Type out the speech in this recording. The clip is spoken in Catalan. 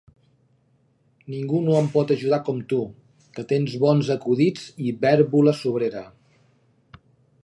Ningú no em pot ajudar com tu, que tens bons acudits i vèrbola sobrera.